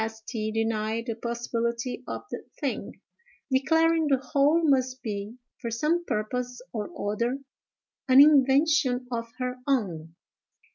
St. —— denied the possibility of the thing, declaring the whole must be, for some purpose or other, an invention of her own.